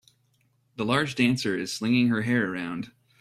The large dancer is slinging her hair around